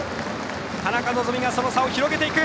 田中希実がその差、広げていく。